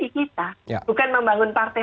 kita bukan membangun partai